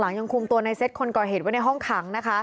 ยังคุมตัวในเซตคนก่อเหตุไว้ในห้องขังนะคะ